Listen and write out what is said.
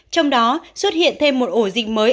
trong đó xuất hiện thêm một ổ dịch mới